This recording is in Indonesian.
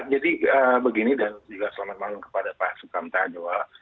jadi begini dan juga selamat malam kepada pak sukamta anjwa